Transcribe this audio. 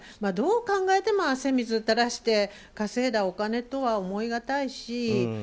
どう考えても汗水たらして稼いだお金とは思い難いし。